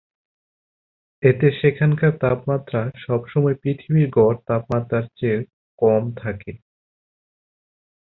এতে সেখানকার তাপমাত্রা সবসময়ই পৃথিবীর গড় তাপমাত্রার চেয়ে কম থাকে।